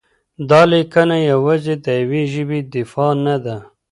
دا لیکنه یوازې د یوې ژبې دفاع نه ده؛